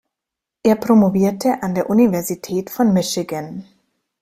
Er promovierten an der Universität von Michigan.